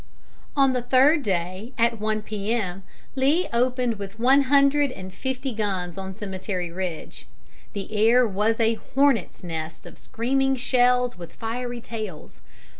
On the third day, at one P.M., Lee opened with one hundred and fifty guns on Cemetery Ridge. The air was a hornet's nest of screaming shells with fiery tails.